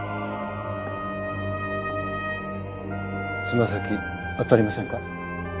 つま先当たりませんか？